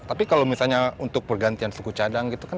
tapi kalau misalnya untuk pergantian suku cadang gitu kan